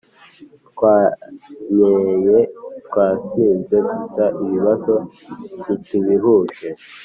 twanyeye twasinze gusa ibibazo ntitubihuje